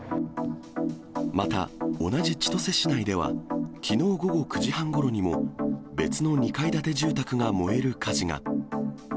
また、同じ千歳市内では、きのう午後９時半ごろにも、別の２階建て住宅が燃える火事が。